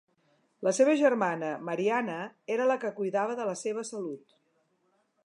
La seva germana Mariana era la que cuidava de la seva salut.